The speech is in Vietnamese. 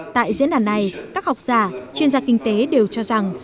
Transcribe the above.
tại diễn đàn này các học giả chuyên gia kinh tế đều cho rằng